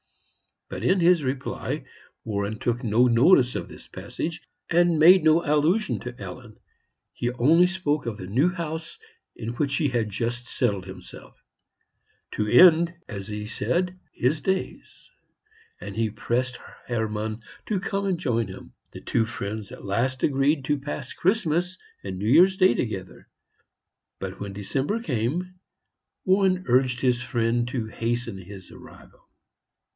But in his reply Warren took no notice of this passage, and made no allusion to Ellen. He only spoke of the new house in which he had just settled himself "to end," as he said, "his days;" and he pressed Hermann to come and join him. The two friends at last agreed to pass Christmas and New Year's Day together; but when December came, Warren urged his friend to hasten his arrival.